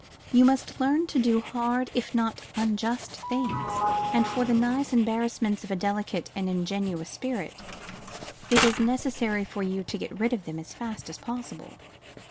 You must learn to do hard if not unjust things; and for the nice embarrassments of a delicate and ingenuous spirit, it is necessary for you to get rid of them as fast as possible.